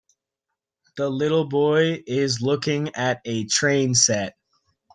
The little boy is looking at a train set.